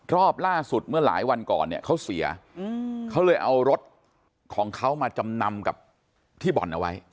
รอบล่าสุดเมื่อหลายวันก่อนเนี่ยเขาเสียเขาเลยเอารถของเขามาจำนำกับที่บ่อนเอาไว้